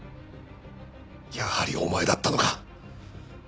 やはりお前だったのか！